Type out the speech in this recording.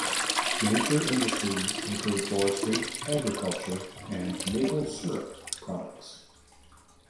Major industries include forestry, agriculture and maple syrup products.